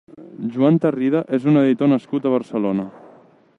Joan Tarrida és un editor nascut a Barcelona.